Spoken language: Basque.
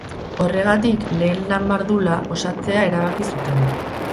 Horregatik, lehen lan mardula osatzea erabaki zuten.